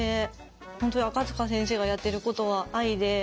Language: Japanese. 本当に赤先生がやってることは愛で。